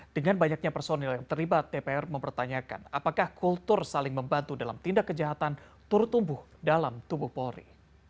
dengan banyaknya personil yang terlibat dpr mempertanyakan apakah kultur saling membantu dalam tindak kejahatan turut tumbuh dalam tubuh polri